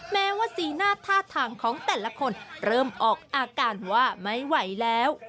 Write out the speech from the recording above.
แม้ว่าสีหน้าท่าทางของแต่ละคนเริ่มออกอาการว่าไม่ไหวแล้ว